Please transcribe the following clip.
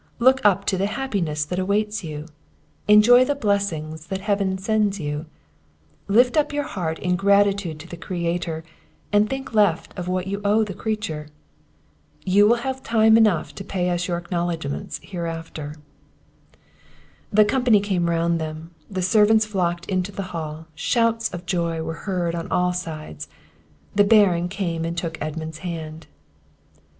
Look up to the happiness that awaits you enjoy the blessings that Heaven sends you lift up your heart in gratitude to the Creator, and think left of what you owe to the creature! You will have time enough to pay us your acknowledgments hereafter." The company came round them, the servants flocked into the hall: shouts of joy were heard on all sides; the Baron came and took Edmund's hand.